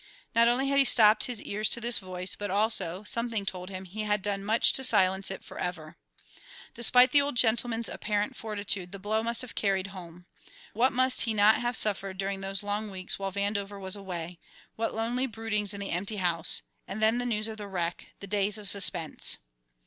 Not only had he stopped his ears to this voice, but also, something told him, he had done much to silence it forever. Despite the Old Gentleman's apparent fortitude the blow must have carried home. What must he not have suffered during those long weeks while Vandover was away, what lonely broodings in the empty house; and then the news of the wreck, the days of suspense!